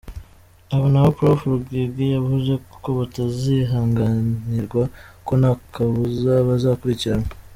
Abo nabo Prof Rugege yavuze ko batazihanganirwa, ko nta kabuza bazakurikiranwa.